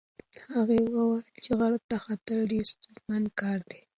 هغه وویل چې غره ته ختل ډېر ستونزمن کار دی.